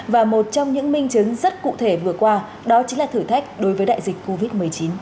và một trong những minh chứng rất cụ thể vừa qua đó chính là thử thách đối với đại dịch covid một mươi chín